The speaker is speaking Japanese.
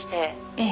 ええ。